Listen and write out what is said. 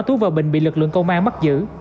tú và bình bị lực lượng công an bắt giữ